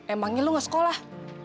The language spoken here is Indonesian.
emangnya lo gak sekolah